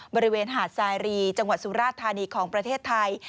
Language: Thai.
บริเวณหาดสายรีจังหวัดสุราธานีของประเทศไทย